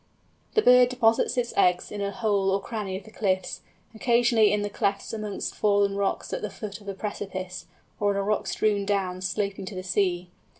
The bird deposits its eggs in a hole or cranny of the cliffs, occasionally in the clefts amongst fallen rocks at the foot of the precipice, or on rock strewn downs sloping to the sea.